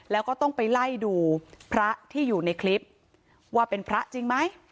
แล้วก็ต้องไปไล่ดูพระที่อยู่ในคลิปว่าเป็นพระจริงไหม